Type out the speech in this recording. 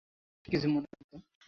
কিছু মনে করবেন না তো?